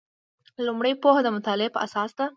لومړۍ پوهه د مطالعې په اساس ده.